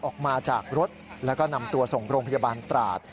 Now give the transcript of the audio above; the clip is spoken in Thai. ออกมาจากรถแล้วก็นำตัวส่งโรงพยาบาลตราด